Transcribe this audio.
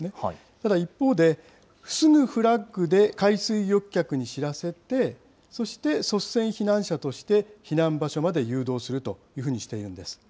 ただ一方で、すぐフラッグで海水浴客に知らせて、そして率先避難者として避難場所まで誘導するというふうにしているんです。